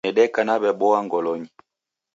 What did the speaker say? Nedeka naw'eboa ngolonyi